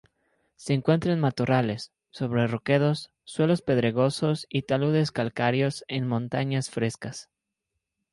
Se encuentra en matorrales, sobre roquedos, suelos pedregosos y taludes calcáreos en montañas frescas.